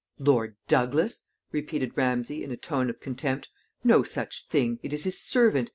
"Lord Douglas?" repeated Ramsay, in a tone of contempt. "No such thing. It is his servant.